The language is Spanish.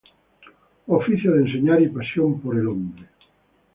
Oficio de enseñar y pasión por el hombre.